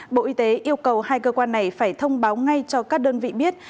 bộ y tế yêu cầu hai cơ quan này phải thông báo ngay cho các đơn vị biết